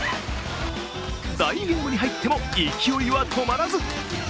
第２ゲームに入っても勢いは止まらず。